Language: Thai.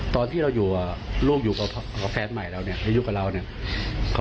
ตอนที่เราอยู่กับลูกอยู่กับแฟนใหม่เราเนี่ยแล้วอยู่กับเราเนี่ย